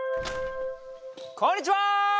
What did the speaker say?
こんにちは！